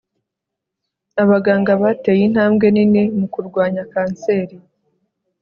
Abaganga bateye intambwe nini mu kurwanya kanseri